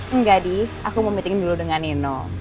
enggak nih aku mau meeting dulu dengan nino